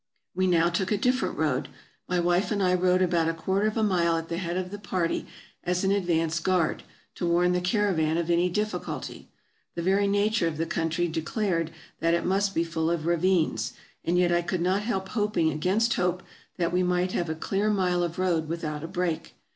We now took a different road. My wife and I rode about a quarter of a mile at the head of the party as an advance guard, to warn the caravan of any difficulty. The very nature of the country declared that it must be full of ravines, and yet I could not help hoping against hope that we might have a clear mile of road without a break.